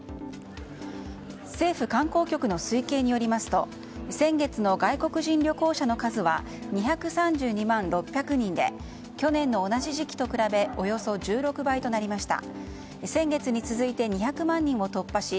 政府観光局の推計によりますと先月の外国人旅行者の数は２３２万６００人で去年の同じ時期と比べおよそ１６倍となりました。